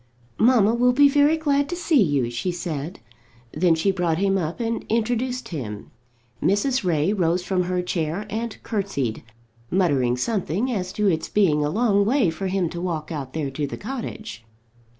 "Mamma will be very glad to see you," she said. Then she brought him up and introduced him. Mrs. Ray rose from her chair and curtseyed, muttering something as to its being a long way for him to walk out there to the cottage.